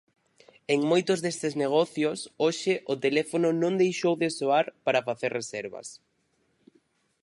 En moitos destes negocios hoxe o teléfono non deixou de soar para facer reservas.